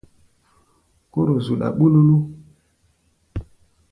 Kóro zuɗá ɓululu.